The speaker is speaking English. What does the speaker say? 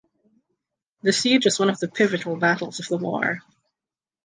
The siege was one of the pivotal battles of the war.